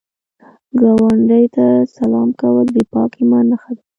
ګاونډي ته سلام کول د پاک ایمان نښه ده